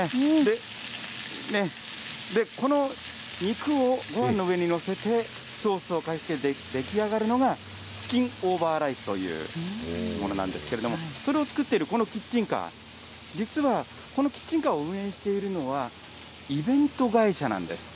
この肉をごはんの上に載せて、ソースをかけて出来上がるのが、チキンオーバーライスというものなんですけれども、それを作っているこのキッチンカー、実はこのキッチンカーを運営しているのは、イベント会社なんです。